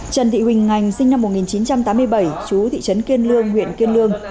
trần thị huỳnh ngành sinh năm một nghìn chín trăm tám mươi bảy chú thị trấn kiên lương huyện kiên lương